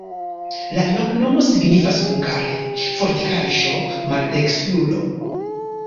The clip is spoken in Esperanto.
La loknomo signifas hungare: fortikaĵo-maldekstrulo.